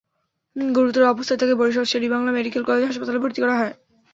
গুরুতর অবস্থায় তাঁকে বরিশাল শের-ই-বাংলা মেডিকেল কলেজ হাসপাতালে ভর্তি করা হয়।